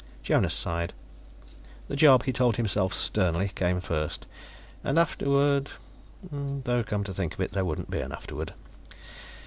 Jonas sighed. The job, he told himself sternly, came first. And afterward Though, come to think of it, there wouldn't be an afterward.